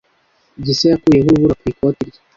Gisa yakuyeho urubura ku ikoti rye.